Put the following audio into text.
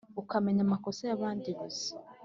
ukamenya amakosa y` abandi gusa